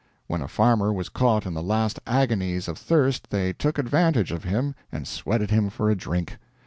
When a farmer was caught in the last agonies of thirst they took advantage of him and sweated him for a drink.